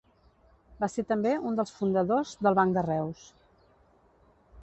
Va ser també un dels fundadors de Banc de Reus.